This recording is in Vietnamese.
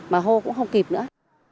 mà hô cũng không kịp nữa